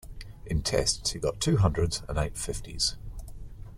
In Tests he got two hundreds and eight fifties.